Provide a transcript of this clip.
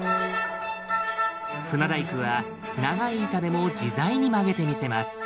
船大工は長い板でも自在に曲げてみせます。